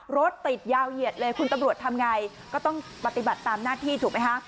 รถติดยาวเหยียดเลยคุณตำรวจทำไงก็ต้องปฏิบัติตามหน้าที่ถูกไหมคะ